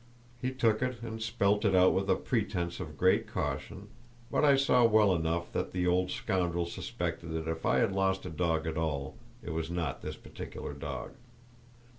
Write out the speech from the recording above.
He took it and spelled it out with a pretence of great caution; but I saw well enough that the old schoundrel suspected that if I had lost a dog at all it was not this particular dog.